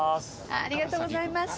ありがとうございます。